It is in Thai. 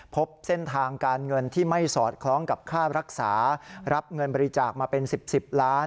พบเส้นทางการเงินที่ไม่สอดคล้องกับค่ารักษารับเงินบริจาคมาเป็น๑๐๑๐ล้าน